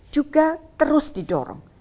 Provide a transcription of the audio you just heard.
juga terus didorong